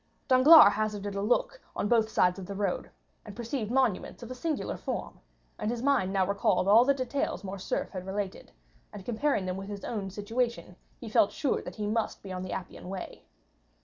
Danglars hazarded a look on both sides of the road, and perceived monuments of a singular form, and his mind now recalled all the details Morcerf had related, and comparing them with his own situation, he felt sure that he must be on the Appian Way.